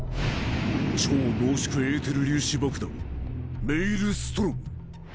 超濃縮エーテル粒子爆弾メイルストロム。